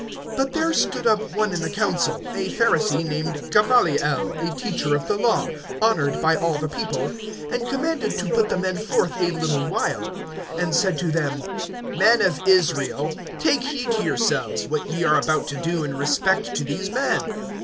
(34)But there stood up one in the council, a Pharisee, named Gamaliel, a teacher of the law, honored by all the people, and commanded to put the men forth a little while; (35)and said to them: Men of Israel, take heed to yourselves, what ye are about to do in respect to these men.